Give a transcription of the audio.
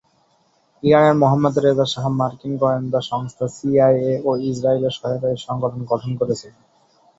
ইরানের Mohammad Reza Shah মার্কিন গোয়েন্দা সংস্থা সিআইএ ও ইসরায়েলের সহায়তায় এই সংগঠন গঠন করেছিলেন।